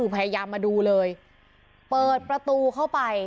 เปิดประตูเข้าไป